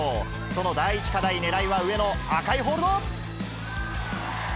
その第１課題、上の赤いホールド。